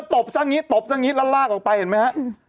แล้วตบซักนิดตบซักนิดแล้วลากออกไปเห็นไหมฮะ